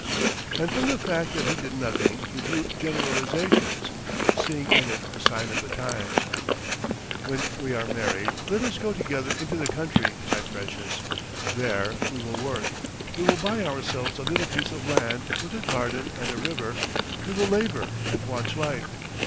And from the fact that he did nothing he drew generalizations, seeing in it a sign of the times. "When we are married let us go together into the country, my precious; there we will work! We will buy ourselves a little piece of land with a garden and a river, we will labour and watch life.